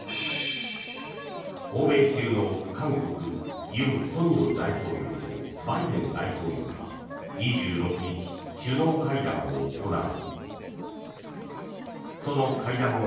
訪米中の韓国、尹錫悦大統領とバイデン大統領が２６日、首脳会談を行う。